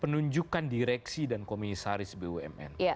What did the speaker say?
penunjukan direksi dan komisaris bumn